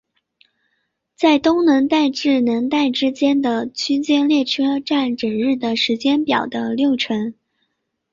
在东能代至能代之间的区间列车占整日时间表的六成。